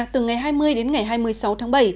từ ngày hai mươi đến ngày hai mươi sáu tháng bảy